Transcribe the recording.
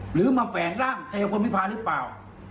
หรือมาแฝงร่างชายพลวิพาหรือเปล่า